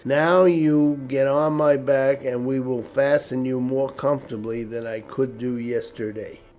Now you get on my back and we will fasten you more comfortably than I could do yesterday."